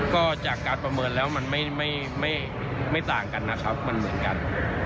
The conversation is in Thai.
ก็จากการประเมินแล้วมันไม่ต่างกันนะครับมันเหมือนกัน